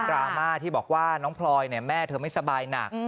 ราม่าที่บอกว่าน้องพลอยแม่เธอไม่สบายหนัก